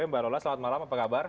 mbak lola selamat malam apa kabar